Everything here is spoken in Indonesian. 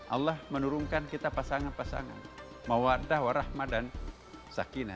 allah menurunkan kita pasangan pasangan